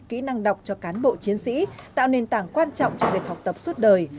kỹ năng đọc cho cán bộ chiến sĩ tạo nền tảng quan trọng cho việc học tập suốt đời